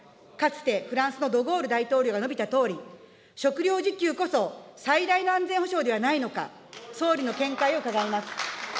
かつてフランスのドゴール大統領が述べたとおり、食料自給こそ最大の安全保障ではないのか、総理の見解を伺います。